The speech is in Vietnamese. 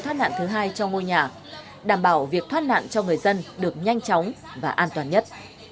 thoát nạn thứ hai cho ngôi nhà đảm bảo việc thoát nạn cho người dân được nhanh chóng và an toàn nhất